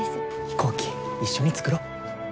飛行機一緒に作ろ。